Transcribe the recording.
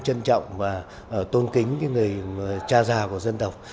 trân trọng và tôn kính người cha già của dân tộc